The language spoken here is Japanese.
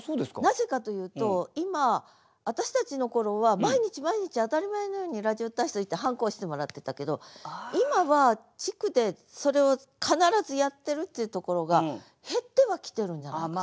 なぜかというと今私たちの頃は毎日毎日当たり前のようにラジオ体操行ってはんこ押してもらってたけど今は地区でそれを必ずやってるっていうところが減ってはきてるんじゃないですか。